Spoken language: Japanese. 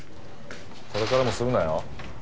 これからもするなよ？